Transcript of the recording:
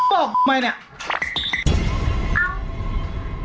แล้วบอกไหมเนี่ย